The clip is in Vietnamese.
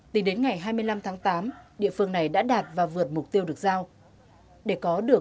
từ đến ngày hai mươi năm tháng tám địa phương này đã đạt và vượt mục tiêu được giao